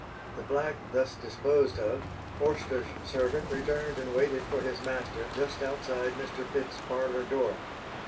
The black thus disposed of, Forster's servant returned and waited for his master just outside Mr. Pitt's parlour door.